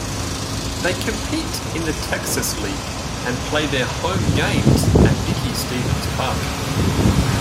They compete in the Texas League and play their home games at Dickey-Stephens Park.